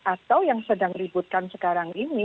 atau yang sedang ributkan sekarang ini